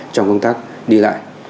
trong công tác đi lại